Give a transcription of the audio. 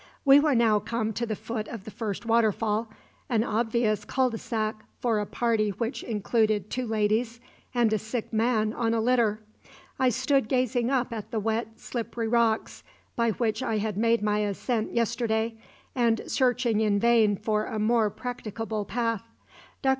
We were now come to the foot of the first waterfall, an obvious cul de sac for a party which included two ladies and a sick man on a litter. I stood gazing up at the wet, slippery rocks by which I had made my ascent yesterday, and searching in vain for a more practicable path. Dr.